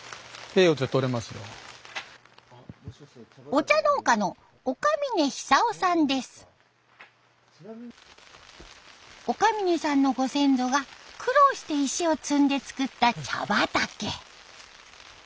お茶農家の岡峯さんのご先祖が苦労して石を積んで造った茶畑。